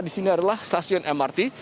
di sini adalah stasiun mrt